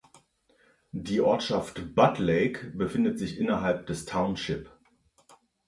Die Ortschaft Budd Lake befindet sich innerhalb des Township.